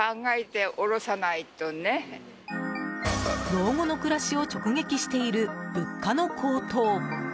老後の暮らしを直撃している物価の高騰。